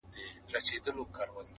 چي په ځان كي دا جامې د لوى سلطان سي!!